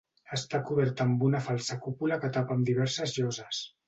Està coberta amb una falsa cúpula que tapa amb diverses lloses.